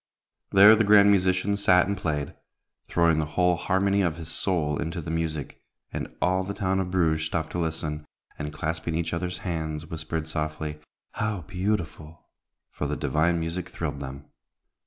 There the grand musician sat and played, throwing the whole harmony of his soul into the music, and all the town of Bruges stopped to listen, and, clasping each other's hands, whispered softly, "How beautiful!" for the divine music thrilled them.